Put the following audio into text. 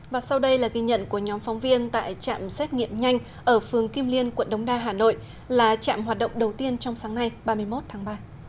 và sau đây là ghi nhận của nhóm phóng viên tại trạm xét nghiệm nhanh ở phường kim liên quận đống đa hà nội là trạm hoạt động đầu tiên trong sáng nay ba mươi một tháng ba